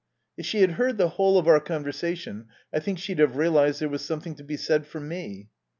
"If she had heard the whole of our conversation I think she'd have realized there was something to be said for me."